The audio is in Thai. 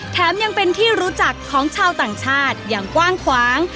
แถมยังเป็นที่รู้จักของชาวต่างชาติอย่างกว้างขวาง